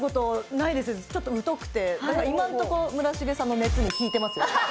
ちょっと疎くてだから今のところ村重さんの熱に引いてますよ